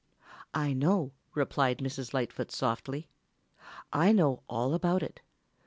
"I know," replied Mrs. Lightfoot softly. "I know all about it.